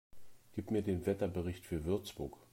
Gib mir den Wetterbericht für Würzburg